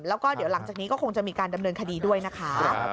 แล้วก็เดี๋ยวหลังจากนี้ก็คงจะมีการดำเนินคดีด้วยนะคะ